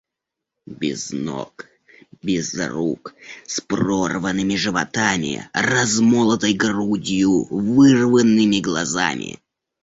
Без ног, без рук, с прорванными животами, размолотой грудью, вырванными глазами.